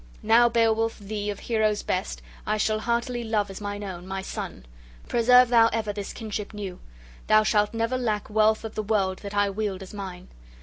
Now, Beowulf, thee, of heroes best, I shall heartily love as mine own, my son; preserve thou ever this kinship new: thou shalt never lack wealth of the world that I wield as mine!